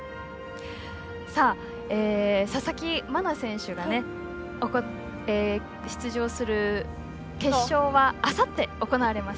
佐々木真菜選手が出場する決勝はあさって行われます。